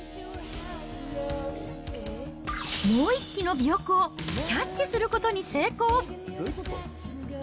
もう１機の尾翼をキャッチすることに成功。